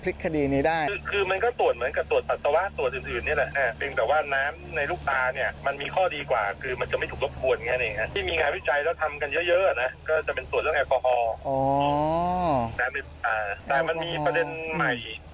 เพราะคู่นี้ที่อาจารย์ผมเลยนะ